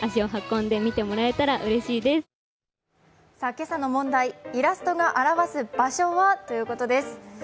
今朝の問題、イラストが表す場所はということです。